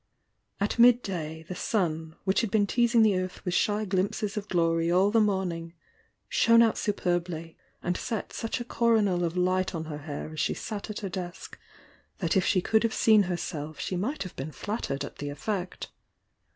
At midday the sun, which had been teasing the earth with diy glimpses of glory all the morn ing, dhone out superbly, and set such a coronal of light on her hair as she sat at her desk, that if she could have seen herself she might have been flat tered at the effect.